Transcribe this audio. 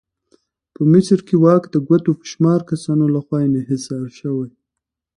په مصر کې واک د ګوتو په شمار کسانو لخوا انحصار شوی.